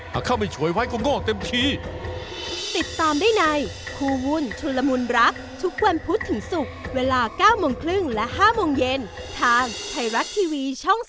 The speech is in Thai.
หากข้าไม่ช่วยไว้ก็ง่อเต็มที